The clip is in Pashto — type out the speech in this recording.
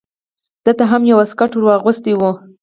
ده ته هم یو واسکټ ور اغوستی و.